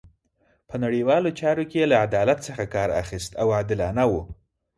په نړیوالو چارو کې یې له عدالت څخه کار اخیست او عادلانه وو.